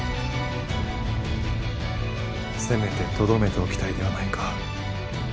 せめてとどめておきたいではないか。